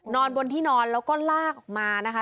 นอนบนที่นอนแล้วก็ลากมานะคะ